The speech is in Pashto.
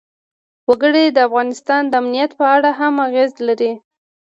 وګړي د افغانستان د امنیت په اړه هم اغېز لري.